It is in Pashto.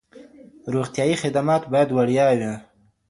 روغتیايي خدمات باید وړیا وي.